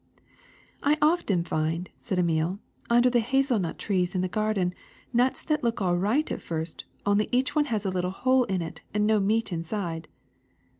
'^ I often fiild,'' said Emile, ^^ under the hazelnut trees in the garden, nuts that look all right at first, only each one has a little hole in it and no meat in side."